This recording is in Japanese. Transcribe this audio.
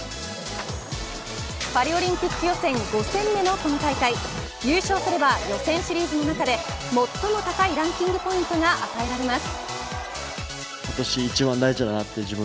パリオリンピック予選５戦目のこの大会優勝すれば、予選シリーズの中で最も高いランキングポイントが与えられます。